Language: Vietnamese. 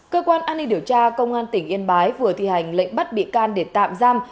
cơ quan an ninh điều tra công an tỉnh yên bái vừa thi hành lệnh bắt bị can để tạm giam